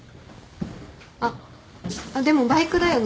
あっでもバイクだよね？